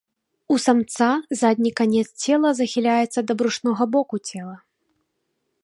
У самца задні канец цела захіляецца да брушнога боку цела.